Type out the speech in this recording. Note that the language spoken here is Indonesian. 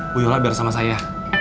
bu yola biar sama saya